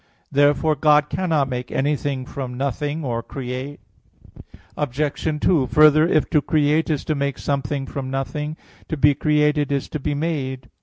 Therefore God cannot make anything from nothing, or create. Obj. 2: Further, if to create is to make something from nothing, to be created is to be made.